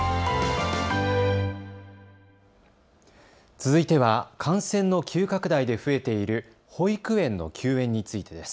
続いては感染の急拡大で増えている保育園の休園についてです。